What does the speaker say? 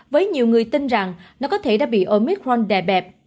với nhiều người tin rằng nó có thể đã bị omicron đè bẹp